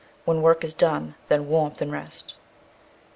_ When work is done then warmth and rest.